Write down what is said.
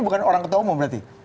bukan orang ketua umum berarti